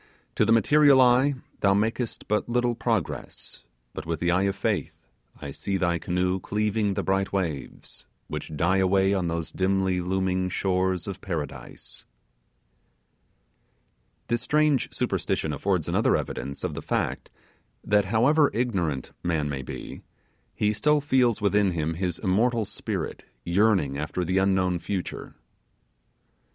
To the material eye thou makest but little progress; but with the eye of faith, I see thy canoe cleaving the bright waves, which die away on those dimly looming shores of Paradise. This strange superstition affords another evidence of the fact, that however ignorant man may be, he still feels within him his immortal spirit yearning, after the unknown future.